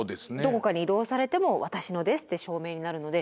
どこかに移動されても私のですって証明になるので。